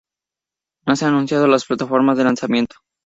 No se han anunciado las plataformas de lanzamiento.